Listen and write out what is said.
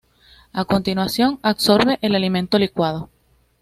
A continuación absorbe el alimento licuado.